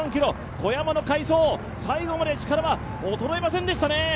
小山の快走、最後まで力は衰えませんでしたね。